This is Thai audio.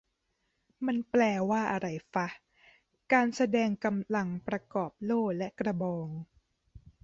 มันแปลว่าอะไรฟะ "การแสดงกำลังประกอบโล่และกระบอง"